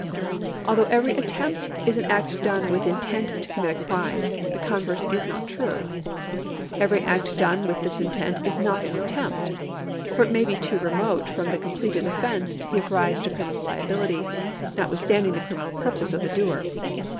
Although every attempt is an act done with intent to com mit a crime, the converse is not true. Every act done with this intent is not an attempt, for it may be too remote from the completed offence to give rise to criminal liability, not withstanding the criminal purpose of the doer.